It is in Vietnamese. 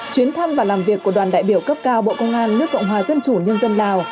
chuyến thăm và làm việc của đoàn đại biểu cấp cao bộ công an nước cộng hòa dân chủ nhân dân lào